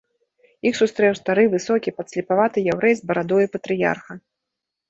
Іх сустрэў стары высокі падслепаваты яўрэй з барадою патрыярха.